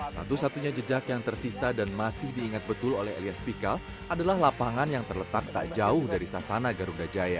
satu satunya jejak yang tersisa dan masih diingat betul oleh elias pikal adalah lapangan yang terletak tak jauh dari sasana garuda jaya